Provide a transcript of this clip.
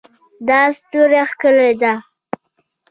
دا ستوری ښکلی ده